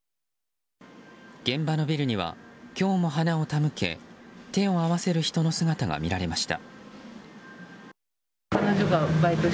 現場のビルには今日も花を手向け手を合わせる人の姿が見られました。